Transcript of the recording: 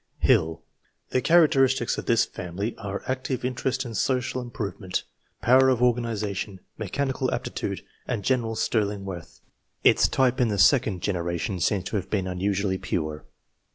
HiLL. The characteristics of this family are, active interest in social improvement, power of organization, mechanical aptitude, and general sterling worth. Its type in the second generation seems to have been unusually pure.